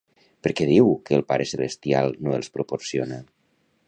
Per què diu que el Pare celestial no els proporciona?